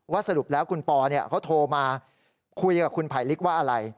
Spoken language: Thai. สรุปแล้วคุณปอเขาโทรมาคุยกับคุณไผลลิกว่าอะไร